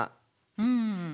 うん。